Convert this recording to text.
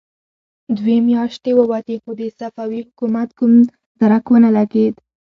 دوې مياشتې ووتې، خو د صفوي حکومت کوم درک ونه لګېد.